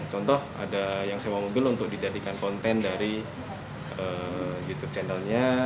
contoh ada yang sewa mobil untuk dijadikan konten dari youtube channelnya